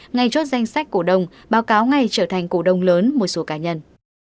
ngay chốt danh sách cổ đông báo cáo ngày trở thành cổ đông lớn một số cá nhân